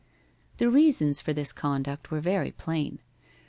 The reasons for this conduct were very plain.